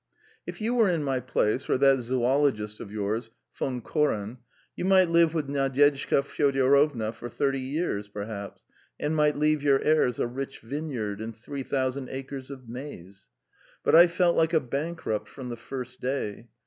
If you were in my place, or that zoologist of yours, Von Koren, you might live with Nadyezhda Fyodorovna for thirty years, perhaps, and might leave your heirs a rich vineyard and three thousand acres of maize; but I felt like a bankrupt from the first day.